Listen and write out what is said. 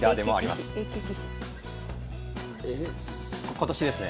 今年ですね。